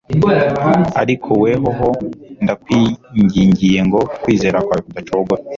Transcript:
Ariko wehoho, ndakwingingiye ngo kwizera kwawe kudacogora.